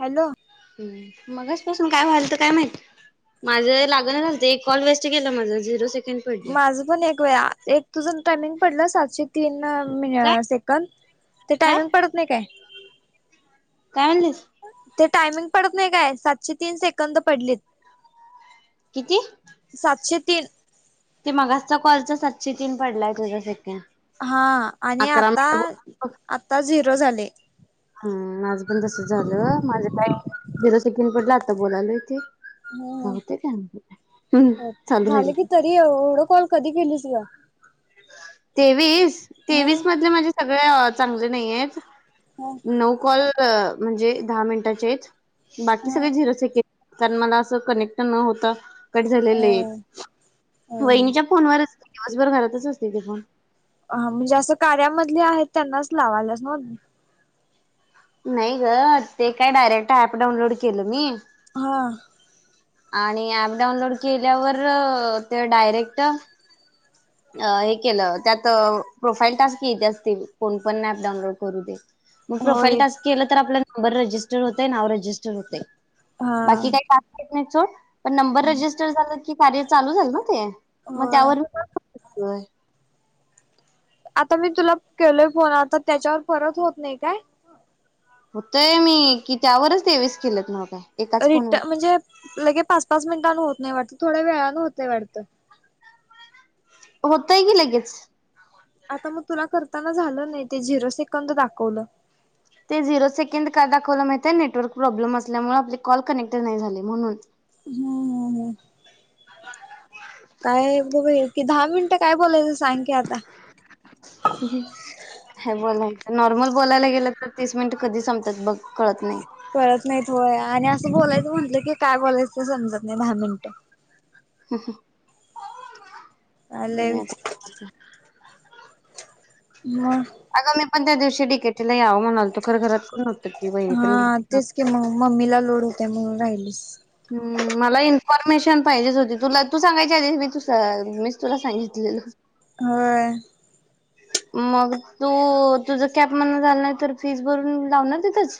Hello हम्म मगास पासून काय व्हायल तर काय माहित्, माझं लागना झालत एक कॉल वेस्ट गेलं माझं झिरो सेक माझं पण एक वे आ एक तुझं टायमिंग पडलं सातशे तीन अ मीन् अ काय सेकंद, ते काय टायमिंग पडत नाही काय? [unintelligible] ते टायमिंग पडत नाही काय? सातशे तीन सेकंद पडलीत. किती सातशे तीन. ते मग कॉलच सातशे तीन पडलाय तुझा सेकेंद. हा आणि आता आता झि झाले झीरो सेकंड पडला आता बोलालो इथे. हम्म हम्म हो चालू राहिल झालं की तरी एवढं कॉल कधी केलीस ग. तेवीस ह तेवीस म्हटले म्हणजे सगळ्यात चांगले नाही आहेत. ह नऊ कॉल क म्हणजे दहा मिनिटाचे आहेत बाकी सगळे झिरो सेकंड कारण मला असं कनेक्ट न होता कट झालेले हो हो. वहिनीच्या फोनवरच आज बरं घरातच अस [unintelligible] हा म्हणजे असं कार्यामधले आहेत त्यांनाच लावालेस ना नाही ग ते काय डायरेक्ट ऍप डाऊनलोड केलं मी. ह आणि ऍप डाऊनलोड केल्यावर ते डायरेक्ट अ हे केलं त्यात प्रोफाईल टास्क येत असतील कोण पण ऍप डाऊनलोड करू देत. मग प्रोफाईल होय टास्क केलं तर आपल्या नंबर रजिस्टर होतय नाव रजिस्टर होतय. हा बाकी काही [unintelligible] पण नंबर रजिस्टर झाला की कार्य चालू झाल ना ते. मग होय त्यावर व्हय आता मी तुला केलोय फोन आता त्याच्यावर परत होत नाही काय. होतय मी कि त्यावरच तेवीस केलेत नव्ह काय एकाच रिट फोनवर म्हणजे लगे पाच पाच मिनिटांन होत नाही वाटत थोड्या वेळान होत वाटत. होतय की लगेच. आता मग तुला करताना झालं नाही ते झिरो सेकंद दाखवलं. ते झिरो सेकंड काय दाखवलं माहिते नेटवर्क प्रॉब्लेम असल्यामुळे आपले कॉल कनेक्ट नाही झाले म्हणून. हम्म हम्म हम्म [unintelligible] काय बघुया की दहा मिनिटं काय बोलायच. सांग की आता. बोला ना नॉर्मल बोलायला गेलं तर तीस मिनिट कधी संपतात बघ कळत नाही. कळत नाही व्हय आणि असं बोलायचं म्हंटलं की काय बोलायचं समजत नाही दहा मिनटं. ह ह [unintelligible] लय [unintelligible] म [unintelligible] अगं मी पण त्या दिवशी डि के टी ला यावं म्हणालतो खरं घरात कोण नव्हतं. की वहिनी हा पण गेलती तेच की म मम्मीला लोड होतयं म्हणून, राहिलीस. हुं मला इन्फॉर्मेशन पाहिजेच होती. तुला तू सांगायच्या आधीच मी तु सा मीच तुला सांगितलेल होय. मग तू तुझ कॅप मधन झाला नाही, तर फीस भरून लावणार तिथेच.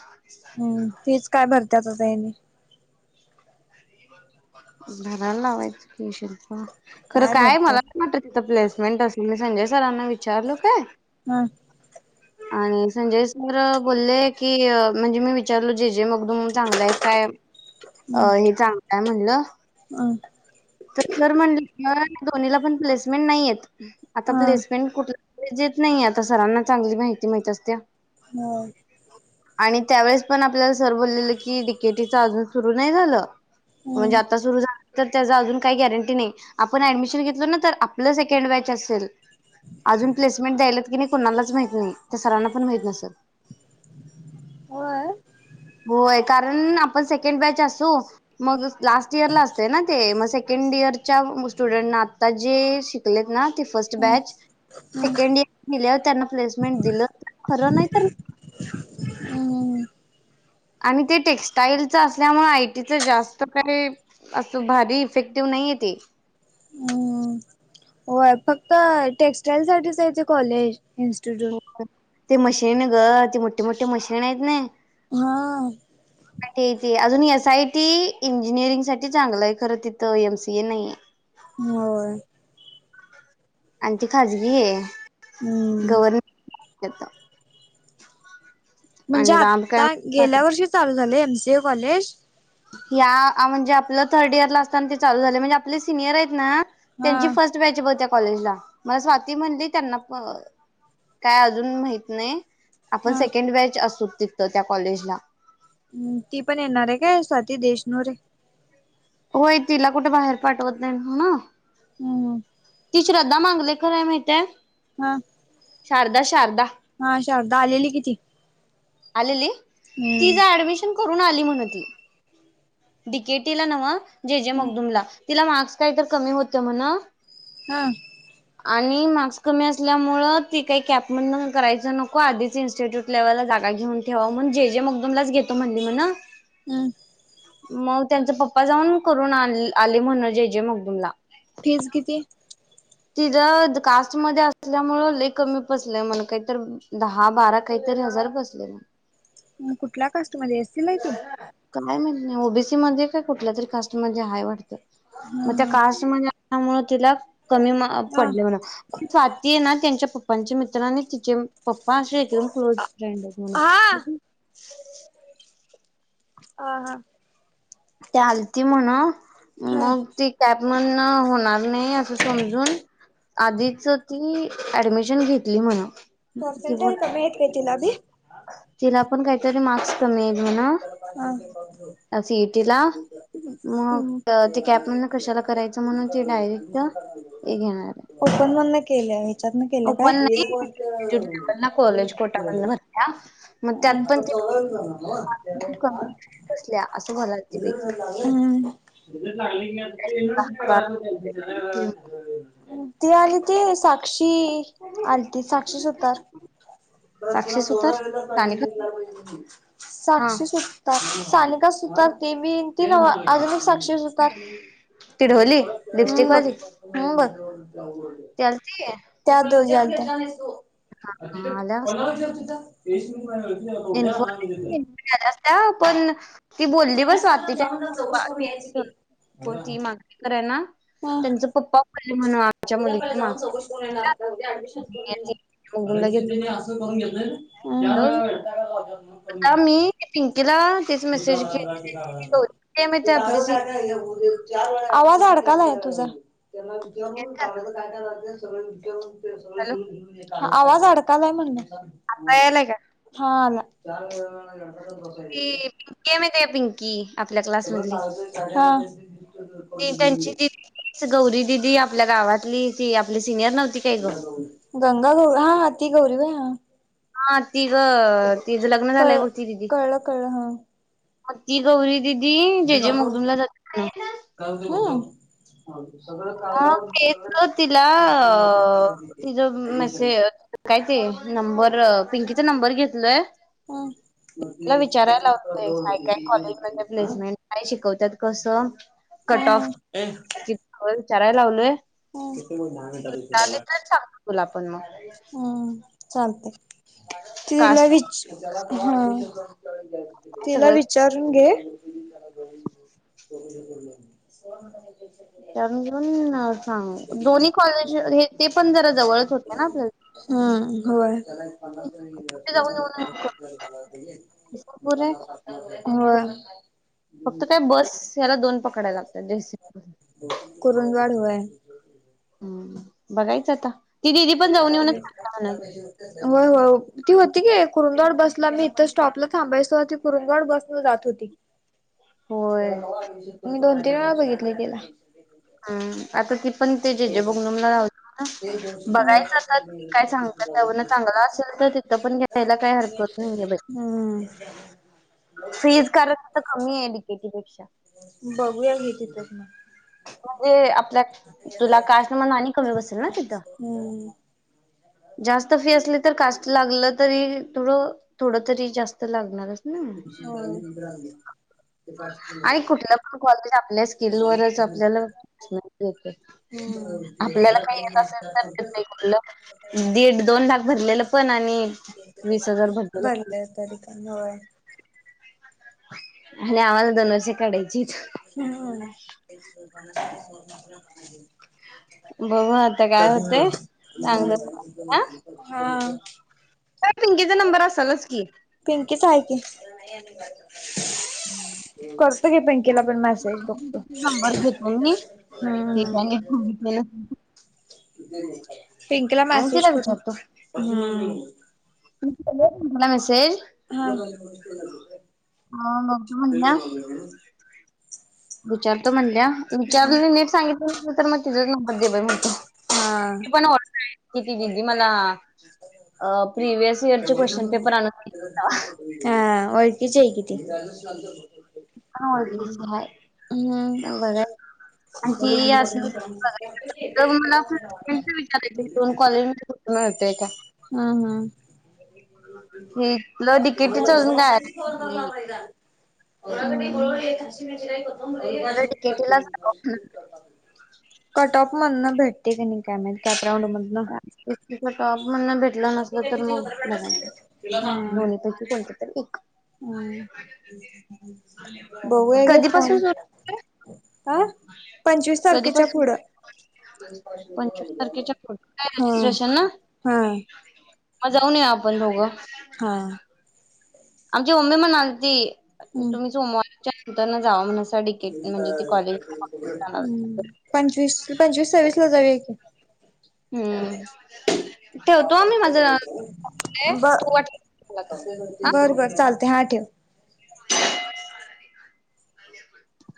हो तेच काय? भरत्यात आता हेणी भरायला लावायचं कि शिल्पा खरं काय मला पण वाटतं प्लेसमेंट असेल नसेल संजय सरांना विचारलो काय? हम्म! आणि संजय सर बोललेय की म्हणजे, मी विचारलो जे जे मगदूम चांगलंय आहे काय? अ हम्म. हे चांगल हाय म्हणलं. [unintelligible] तर सर म्हणलं दोन्हीला पण प्लेसमेंट नाही, आहेत. आता प्लेसमेंट कुठला [unintelligible] नाही आता सरांना चांगली माहिती माहित असत्या. [unintelligible] आणि त्यावेळेस पण आपल्याला सर बोललेलं की डी के टी च अजून सुरू नाही झालं. म्हणजे, आता सुरु झालं तर त्याचं अजून काय गाॅरेटी नाही. आपण ऑडिशन घेतलो, ना तर आपलं सेकेडं बाॅच असेल. अजून प्लेसमेंट द्यायलयात काय नाही कुणालाचं माहिती नाही. त्या सरांना पण माहिती नसलं. होय, कारण आपण सेकेड बाॅच असू मग लास्ट इयर असतंय ना ते सेकंडयरच्या स्टुडंटला आता जे शिकले ना ते फर्स्ट बॅच सेकेड इयर केली. या त्यांना प्समेंट दिलं खरं नाही तर आणि ते टेक्स्टाईलच असल्यामुळे आयटीच जास्त काय अस भारी इफेक्टिव्ह नाही आहे ते. होय! फक्त टेक्स्टाइल साठीचयं ते कॉलेज इन्स्टिट्यूट. हो ते मशीन गं ते मोठे मोठे मशिन आहेत ने हा. ते अजून एस आय टी इंजिनिअरिंग साठी चांगलं आहे. खरं तिथं एमसीए नाहीयं. होय. आणि ते खाजगी ये. हम्म गवर्मंट येतावं म्हणजे, काय आत्ता गेल्या वर्षी चालू झालंय? एमसीए कॉलेज या म्हणजे आपलं थर्ड इयर ला असताना. ते चालू झालयं. म्हणजे आपले सिनियर आहेत ना हा. त्यांची फर्स्ट बाॅच ब त्या कॉलेजला मला स्वाती म्हणली त्यांना प काय अजून माहित नाही आपण हा सेकंड बाॅच असू तिथं त्या कॉलेज ला हम्म ती पण येणार आहे काय स्वाती देशनूरे होय तिला कुठे बाहेर पाठवत नाही म हमम ती श्रद्धा मांडलेकर आहे माहित आहे हा शारदा शारदा- हा शारदा आलेली किती आलेली ति डमिशन करून आली डीकेटीला नवा जे जे मगदुमला तिला मार्क्स काय तर कमी होत म्हण हा आणि मार्क्स कमी असल्यामुळे ती काही कॅपण करायचं नको आधीच इन्स्टिट्यूट लेव्हलला जा घेऊन ठेवा म्हग जे जे मग दमलाच घेतो म्हणली म्हणा हम्म. मग त्यांचा पप्पा जाऊन करून आले म्हणून जेजे मगदूम ला फीज किती ति ज कास्ट मध्ये असल्यामु कमी पसलेय म्हण काहीत दहा बारा काहीतरी हजार बसले म कुठल्या कास्टमध्ये असतील ना ते काय माहित नाही ओबीसी काय कुठल्या तरी कास्टमध्येे आहेय वाटतं मग त्या हा. काश म्हणजे त्यामुळेळ तिला कमी हा पडले होणा स्वाती आहे ना त्यांच्या पप्पांचे मित्र आणि तिचे पप्पा असे एकदम क्लोज फ्रेंड आहेत हा. म्ह हा हा ते आलती म्हण हा मग ती कॅप म्हण होणार नाही असं समजून आधीच ती ऍडमिशन घेतली म्हण ती पर्सेंटल बोला कमी आहेत काय तिलाबी तिला पण काहीतरी मार्क्स कमी आहेल ना बध तिला मग त कॅब म्हण कशाला करायचं म्हणून तेी डायरेक्ट हे घेणार ओपन म्हण केल्या ह्याच्यातन केल्या काय पण नाही कॉलेज कोटा भरल्या मग त्यात पण ते आ बसल्या असं घालायची पैकी युवर्िट दहा बारा. त आली ते साक्षी आत साक्षी सुतार सानिका हा साक्षी सुतार सानिका सुतारते बी ती न अजून ती [unintelligible] ढोली लिपस्टिक हम्म बघ वाली हम्म बघ ती आलती त्या दोघी आ सो तिथे हा आल्या पन्ना [unintelligible] लक्षल तिथं एशिन मु [unintelligible] इन्फॉर्मेशन घत [unintelligible] पण ती बोलली बस वाटते्पा [unintelligible] त मागणी कराय ना हा त्यांचं पप्पा बोलले म्हणून आमच्या उद्या पहिला मुलीने माग जाऊन चौकशी करून येणार का उद्या ऍडमिशन करून येणार. घ [unintelligible] त्यावर हम आता मी पिंकीला तेच श शा मेसेज का केली ते माहिती काय आपली सिनियर काय [unintelligible] आवाज अडकलाय तुझा. त्यांना विचारून कागद काय काय लागत्यात. हॅलो [unintelligible] वाल [unintelligible] आवाज अडकालाय आता म्हणलं यायलाय का हा आला. च [unintelligible] बसाय [unintelligible] केम ते आहे पिंकी आपल्या क्लास मधली हा. त्यांची दी गौरी दिदी आपल्या गावातली ती आपली सिनियर नव्हती काय ग गंगा गौरी हा हा ती गौरी काय. हा ती गं कळलं कळलं कळलं हा म ती गौरी दिदी कुठे जे जे जातो? मगदुमला जात हां ह तेच तिला तिचं मसे काय ते नंबर पिंकीचा नंबर घेतलोय. हम्म. ला विचारायलावतोय काय काय कॉलेज मध्ये प्लेसमेंट नाही शिकवत त्यात कसं कट ऑफ हम्म चराय लावलंय तथे मग लानतात त्याला गलाप हम चालते तिला कास्ट विच हा तिला सगळं विचारून घे [unintelligible] विचारून सांग दोन्ही कॉलेज हे ते पण जरा जवळच होते. ना आपल्याला हम्म जाऊन येऊन होय पुरे होय. फक्त काय बस याला दोन पकडाया लागत जस व्हय बघायचं आता ती दिदी पण जाऊन येऊनच करता म्हणाली हो हो ती होती की कुरुंदवड बस मी इथ स्टॉपला थांबायचो ना ती कुरुंगवाड बसन जात होती. होय त्याला खाऊ किती वेळा बघितलं तिला हम्म आता ती पण ते जे जे लावायचं ना बघायचा आता काय सांगता चांगलं असेल तर तिथ पण घ्यायला काही हरकत नाहीे हम्म फीज कारण तिथ कमी आहेे जे जे पेक्षा बघूया की तिथं म्हणजे आपल्या तुला कास्ट म्हणून आणि कमी बसेल ना तिथं हम्म. जास्त फी असली कास्ट लागलं तरी थोडं थोड तरी जास्त लागणारच ना आणि कुठलं पण कॉलेज आपल्या स्किल होय. [unintelligible] आपल्याला का येत असेल तर दीड दोन लाख भरलेलं पण आणि वीस हजार भरलेलं भरले पण तरी होय. आणि आम्हाला दोन वर्ष काढायची हम्म बघू आता काय होते चांगलं हा त्या पिंकीचा नंबर असलच की पिंकीच आहे की [unintelligible] करतो की पिंकीला पण मेसेज बघतो नंबर घेते मी हम्म पिंकीला आणि मॅसेज तिला करून विचारतो हम्म मेसेज हा बघतो दुचार ते म्हणल्या आमच्या घरी नीट सांगितलं नाही नाही तर मग तिचाच नंबर दे बाई म्हणतो हा. पण हो ती दिदी मला अ प्रिवेस इयरचे क्वेश्चन पेपर आणून तीच आहे कीती असलच आहे बघ आणि ती असे मला हम्म विचारायची दोन कॉलेज पण येतेय का हम हम इथलं डिकेटीच अजून काय घरला चिरलेलं डिकेटीलाच टॉप कटऑफ म्हदणं भेट ठिक आहे मग काय म्हणतात का म्ह मग भेटलं नसल तर मग बघायचं दोन्ही पैकी कोणत तर एक हम् बघू आहे घे कधीपासून फोन सुरू आहे? हा पंचवीस तारखेच्या कधीपासून पुढं पंचवीस तारखेच्या पुढे काय हा हा ह जाऊन येऊया आपण दोघं मम्मीला हा सांगून आमची मम्मी म्हणालती तुम्ही सोमवारच्या तिकडनं जावा म्हणसा हम् पंचवीस पंचवीस सव्वीस ला जाऊ ह हम्म ठेवतो मी माझं ब तू वाट हा बर बर चालते हा ठेव टंण